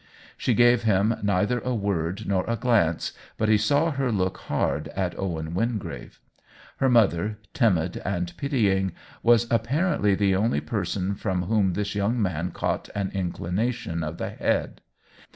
She gave him neither a word nor a glance, but he saw her look hard at Owen Wingrave. Her mother, timid and pitying, was apparently the only person from whom this young man caught an inclination of the head.